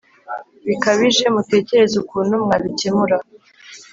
bikabije Mutekereze ukuntu mwabikemura